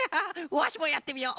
わしもやってみよう。